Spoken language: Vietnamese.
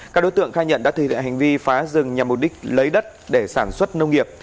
các đối tượng khai nhận đã thừa nhận hành vi phá rừng nhằm mục đích lấy đất để sản xuất nông nghiệp